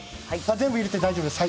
全部入れて大丈夫です。